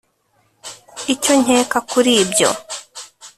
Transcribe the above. Icyo nkeka kuli ibyo